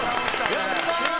やったー！